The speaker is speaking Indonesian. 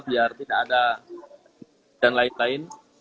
biar tidak ada dan lain lain